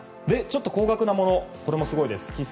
高額なもの、これもすごいです。